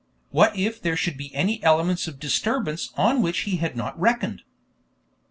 what if there should be any elements of disturbance on which he had not reckoned?